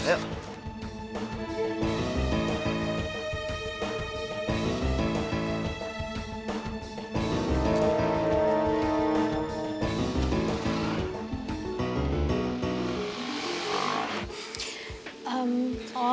lihat dia udah kapur